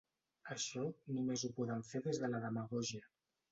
Això només ho poden fer des de la demagògia.